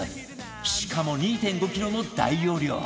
しかも ２．５ キロの大容量